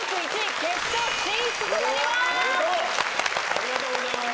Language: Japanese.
ありがとうございます。